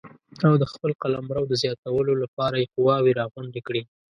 او د خپل قلمرو د زیاتولو لپاره یې قواوې راغونډې کړې.